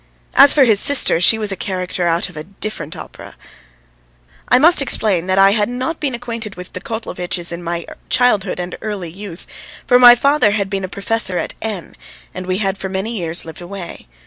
As for his sister, she was a character out of a different opera. I must explain that I had not been acquainted with the Kotlovitches in my childhood and early youth, for my father had been a professor at N., and we had for many years lived away.